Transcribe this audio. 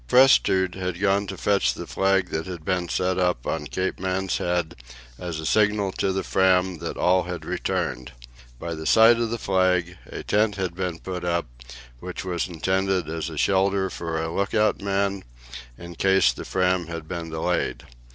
Prestrud had gone to fetch the flag that had been set up on Cape Man's Head as a signal to the Fram that all had returned. By the side of the flag a tent had been put up, which was intended as a shelter for a lookout man, in case the Fram had been delayed.